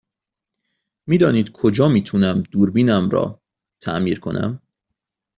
می دانید کجا می تونم دوربینم را تعمیر کنم؟